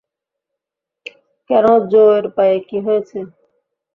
কেনো জো এর পায়ে কি হয়েছে?